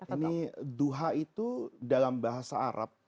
ini duha itu dalam bahasa arab